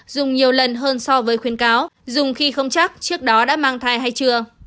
dùng nhiều lần hơn so với khuyến cáo dùng khi không chắc trước đó đã mang thai hay chưa